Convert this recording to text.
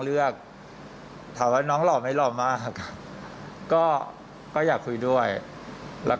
เลือกถามว่าน้องหล่อไหมหล่อมากค่ะก็ก็อยากคุยด้วยแล้วก็